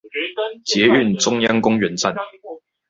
捷運中央公園站